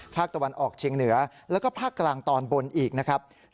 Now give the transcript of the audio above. ภาคตะวันออกเชียงเหนือแล้วก็ภาคกลางตอนบนอีกนะครับ